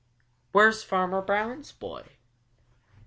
"Where's Farmer Brown's boy?